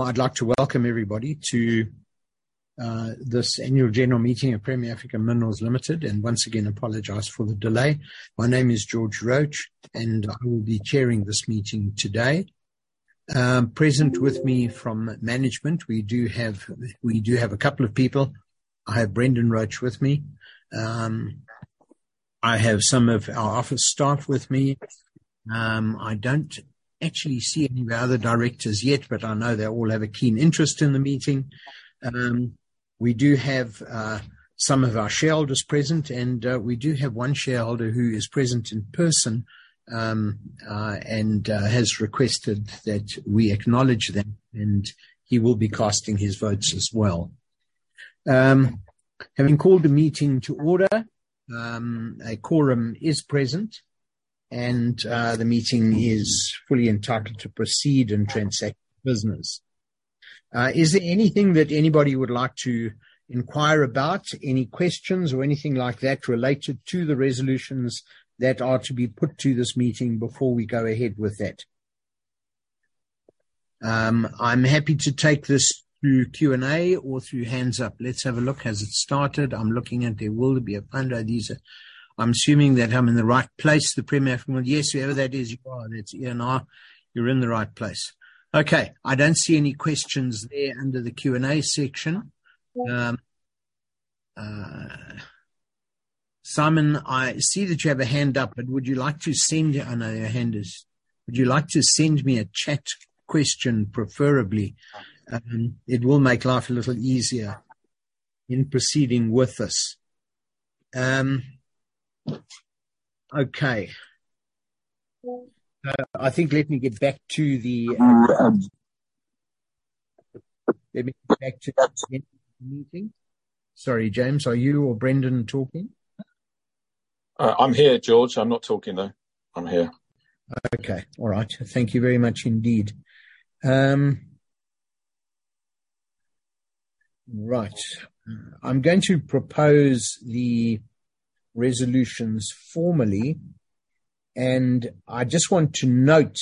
I'd like to welcome everybody to this Annual General Meeting of Premier African Minerals Limited, and once again, apologize for the delay. My name is George Roach, and I will be chairing this meeting today. Present with me from management, we do have a couple of people. I have Brendan Roach with me. I have some of our office staff with me. I don't actually see any of our other directors yet, but I know they all have a keen interest in the meeting. We do have some of our shareholders present, and we do have one shareholder who is present in person, and has requested that we acknowledge them, and he will be casting his votes as well. Having called the meeting to order, a quorum is present and the meeting is fully entitled to proceed and transact business. Is there anything that anybody would like to inquire about? Any questions or anything like that related to the resolutions that are to be put to this meeting before we go ahead with that? I'm happy to take this through Q&A or through hands up. Let's have a look. Has it started? I'm assuming that I'm in the right place. The Premier African Minerals. Yes, whoever that is, you are. That's Ian R. You're in the right place. Okay. I don't see any questions there under the Q&A section. Simon, I see that you have a hand up, but would you like to send your question. I know your hand is up. Would you like to send me a chat question, preferably? It will make life a little easier in proceeding with this. Okay. I think let me get back to the meeting. Sorry, James, are you or Brendan talking? I'm here, George. I'm not talking, though. I'm here. Okay. All right. Thank you very much indeed. Right. I'm going to propose the resolutions formally, and I just want to note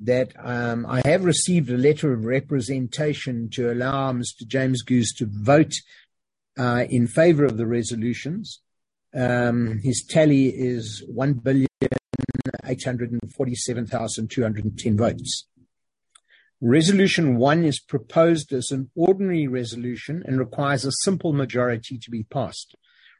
that I have received a letter of representation to allow Mr. James Goozee to vote in favor of the resolutions. His tally is 1,000,847,210 votes. Resolution 1 is proposed as an ordinary resolution and requires a simple majority to be passed.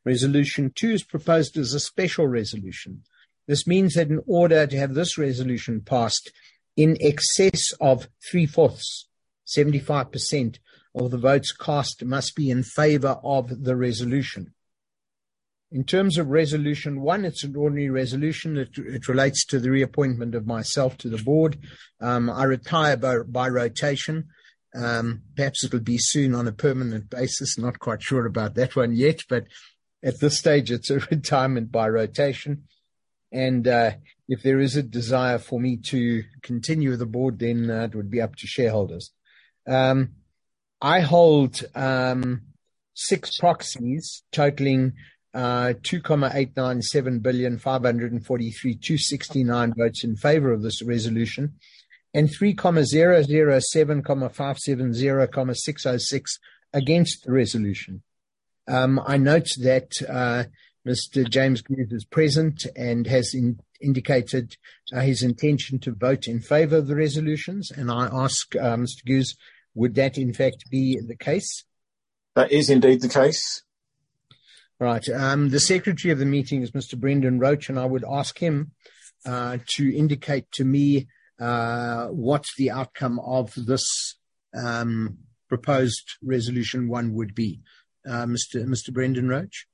Resolution 2 is proposed as a special resolution. This means that in order to have this resolution passed, in excess of three-fourths, 75% of the votes cast must be in favor of the resolution. In terms of resolution 1, it's an ordinary resolution. It relates to the reappointment of myself to the board. I retire by rotation. Perhaps it'll be soon on a permanent basis. Not quite sure about that one yet. At this stage, it's a retirement by rotation, and if there is a desire for me to continue with the board, then it would be up to shareholders. I hold 6 proxies totaling 2,897,543,269 votes in favor of this resolution, and 3,007,570,606 against the resolution. I note that, Mr. James Goozee is present and has indicated his intention to vote in favor of the resolutions, and I ask Mr. Goozee, would that in fact be the case? That is indeed the case. Right. The secretary of the meeting is Mr. Brendan Roach, and I would ask him to indicate to me what the outcome of this proposed resolution one would be. Mr. Brendan Roach.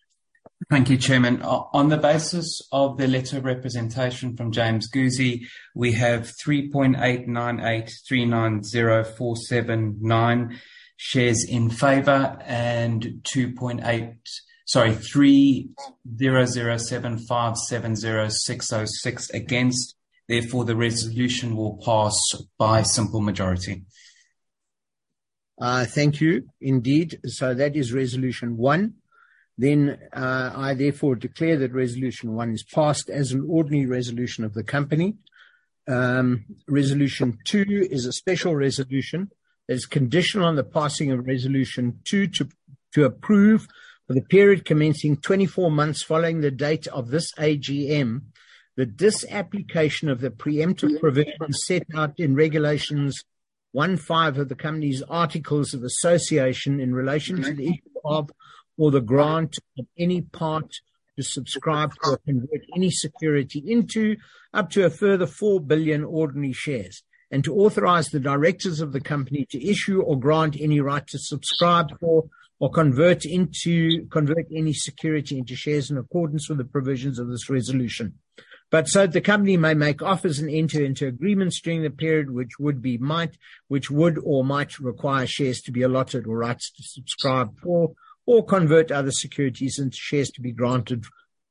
Thank you, Chairman. On the basis of the letter of representation from James Goozee, we have 3.898390479 shares in favor and 3.007570606 against. Therefore, the resolution will pass by simple majority. Thank you indeed. That is resolution 1. I therefore declare that resolution 1 is passed as an ordinary resolution of the company. Resolution 2 is a special resolution, is conditional on the passing of resolution 2 to approve for the period commencing 24 months following the date of this AGM. The disapplication of the preemptive provisions set out in Regulation 1.5 of the company's Articles of Association in relation to the issue of or the grant of any right to subscribe for or convert any security into up to a further 4 billion ordinary shares, and to authorize the directors of the company to issue or grant any right to subscribe for or convert any security into shares in accordance with the provisions of this resolution. The company may make offers and enter into agreements during the period which would or might require shares to be allotted or rights to subscribe for or convert other securities into shares to be granted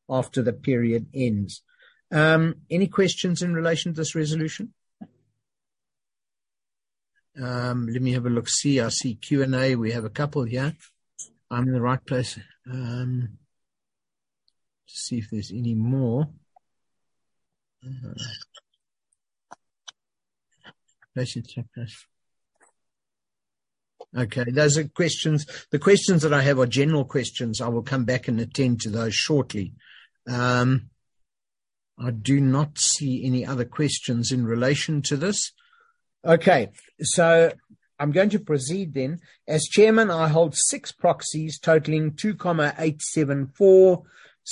after the period ends. Any questions in relation to this resolution? Let me have a look. I see Q&A. We have a couple here. I'm in the right place. Let's see if there's any more. I should check this. Okay, those are questions. The questions that I have are general questions. I will come back and attend to those shortly. I do not see any other questions in relation to this. Okay, I'm going to proceed then. As chairman, I hold 6 proxies totaling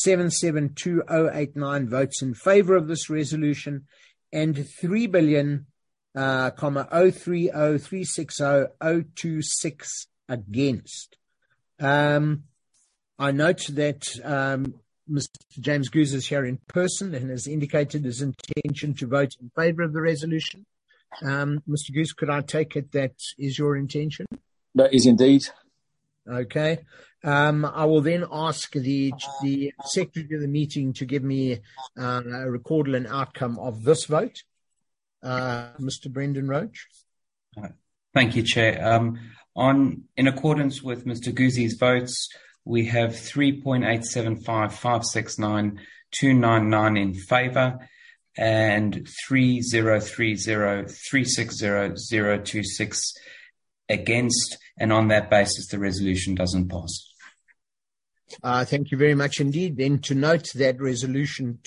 2,874,772,089 votes in favor of this resolution. 3,003,006,026 against. I note that Mr. James Goozee is here in person and has indicated his intention to vote in favor of the resolution. Mr. Goozee, could I take it that is your intention? That is indeed. Okay. I will then ask the secretary of the meeting to give me a recordal and outcome of this vote. Mr. Brendan Roach. All right. Thank you, Chair. In accordance with Mr. Goozee's votes, we have 3.875569299 in favor and 3,003,036,002.6 against. On that basis, the resolution doesn't pass. Thank you very much indeed. To note that resolution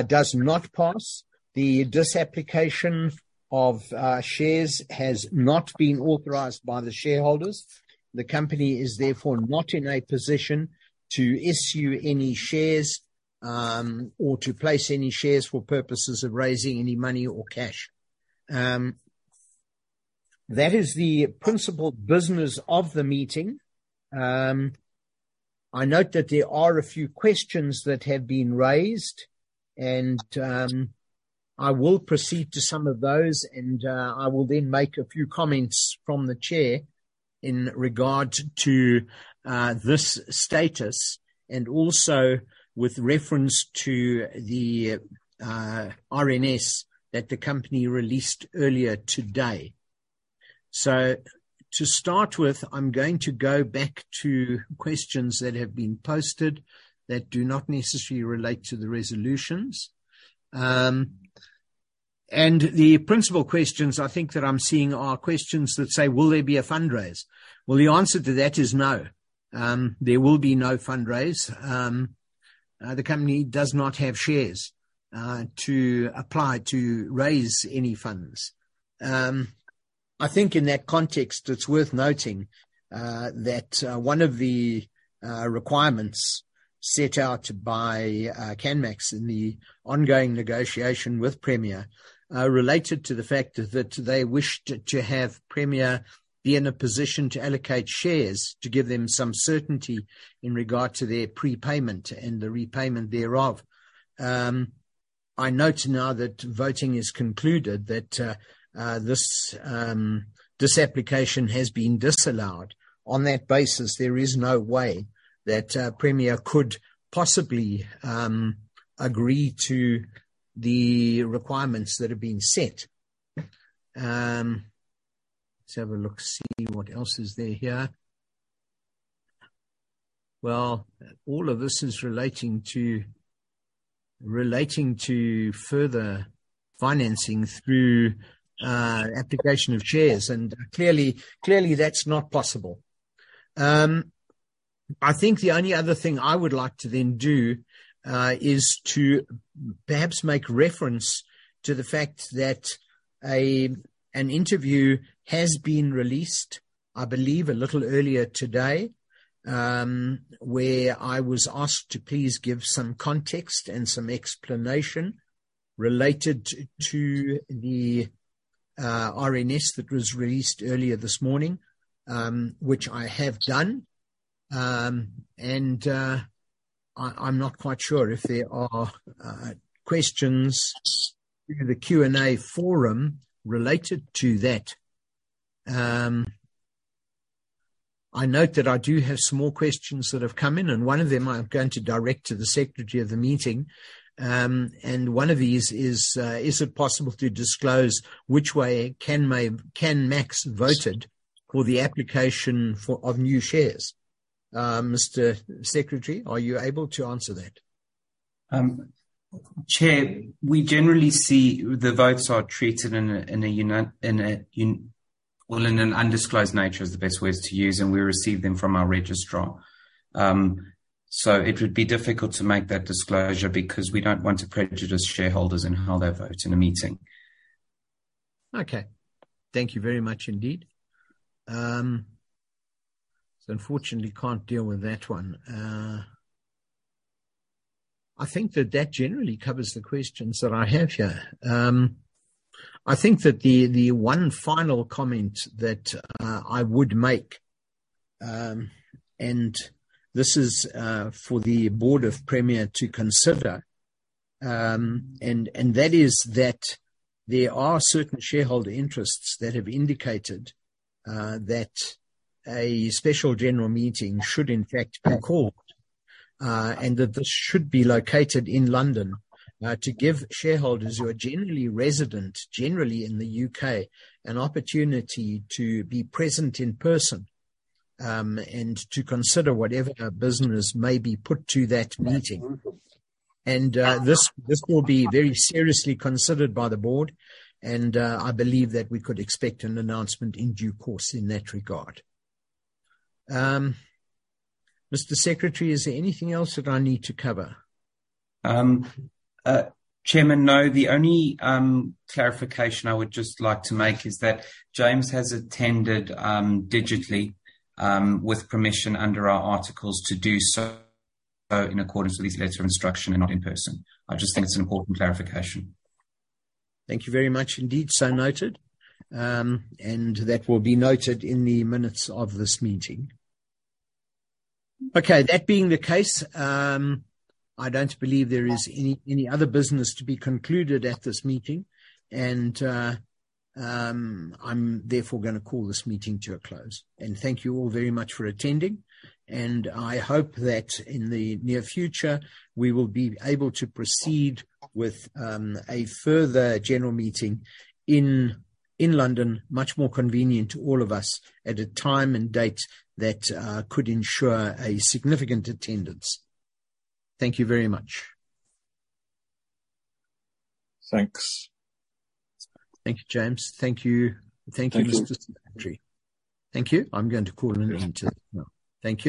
does not pass. The disapplication of shares has not been authorized by the shareholders. The company is therefore not in a position to issue any shares or to place any shares for purposes of raising any money or cash. That is the principal business of the meeting. I note that there are a few questions that have been raised, and I will proceed to some of those, and I will then make a few comments from the chair in regard to this status and also with reference to the RNS that the company released earlier today. To start with, I'm going to go back to questions that have been posted that do not necessarily relate to the resolutions. The principal questions I think that I'm seeing are questions that say, "Will there be a fundraise?" Well, the answer to that is no. There will be no fundraise. The company does not have shares to apply to raise any funds. I think in that context it's worth noting that one of the requirements set out by Canmax in the ongoing negotiation with Premier related to the fact that they wished to have Premier be in a position to allocate shares to give them some certainty in regard to their prepayment and the repayment thereof. I note now that voting is concluded, that this disapplication has been disallowed. On that basis, there is no way that Premier could possibly agree to the requirements that have been set. Let's have a look, see what else is there here. Well, all of this is relating to further financing through application of shares. Clearly that's not possible. I think the only other thing I would like to then do is to perhaps make reference to the fact that an interview has been released, I believe a little earlier today, where I was asked to please give some context and some explanation related to the RNS that was released earlier this morning, which I have done. I'm not quite sure if there are questions in the Q&A forum related to that. I note that I do have some more questions that have come in, and one of them I'm going to direct to the secretary of the meeting. One of these is it possible to disclose which way Canmax voted for the application of new shares? Mr. Secretary, are you able to answer that? Chair, we generally see the votes are treated in an undisclosed nature is the best words to use, and we receive them from our registrar. It would be difficult to make that disclosure because we don't want to prejudice shareholders in how they vote in a meeting. Okay. Thank you very much indeed. Unfortunately can't deal with that one. I think that generally covers the questions that I have here. I think that the one final comment that I would make, and this is for the board of Premier to consider, and that is that there are certain shareholder interests that have indicated that a special general meeting should in fact be called, and that this should be located in London, to give shareholders who are generally resident in the U.K. an opportunity to be present in person, and to consider whatever business may be put to that meeting. This will be very seriously considered by the board, and I believe that we could expect an announcement in due course in that regard. Mr. Secretary, is there anything else that I need to cover? Chairman, no. The only clarification I would just like to make is that James has attended digitally with permission under our articles to do so in accordance with his letter of instruction and not in person. I just think it's an important clarification. Thank you very much indeed. Noted. That will be noted in the minutes of this meeting. Okay. That being the case, I don't believe there is any other business to be concluded at this meeting. I'm therefore gonna call this meeting to a close. Thank you all very much for attending. I hope that in the near future we will be able to proceed with a further general meeting in London, much more convenient to all of us at a time and date that could ensure a significant attendance. Thank you very much. Thanks. Thank you, James. Thank you. Thank you, Mr. Secretary. Thank you. Thank you. I'm going to call an end to this now. Thank you.